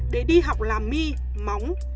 để đi học làm mi móng